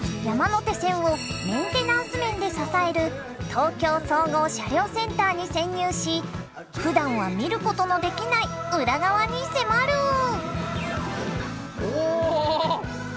山手線をメンテナンス面で支える東京総合車両センターに潜入しふだんは見ることのできない裏側に迫る！